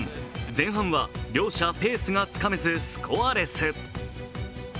前半は両者ペースがつかめずスコアレス。